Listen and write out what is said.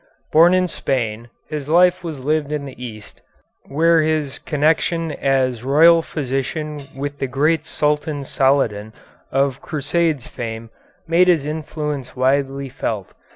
Born in Spain, his life was lived in the East, where his connection as royal physician with the great Sultan Saladin of Crusades fame made his influence widely felt.